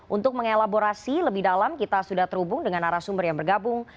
untuk mengelaborasi lebih dalam kita sudah terhubung dengan arah sumber yang bergabung